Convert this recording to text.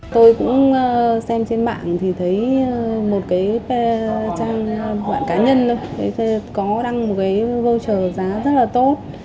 tôi cũng xem trên mạng thì thấy một cái trang mạng cá nhân có đăng một cái voucher giá rất là tốt